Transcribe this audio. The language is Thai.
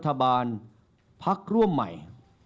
ขอบคุณครับ